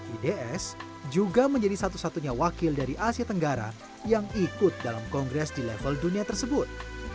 ids juga menjadi satu satunya wakil dari asia tenggara yang ikut dalam kongres di level dunia tersebut